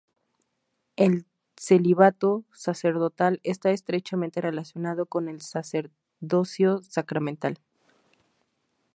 El celibato sacerdotal está estrechamente relacionado con el sacerdocio sacramental.